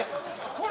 これ！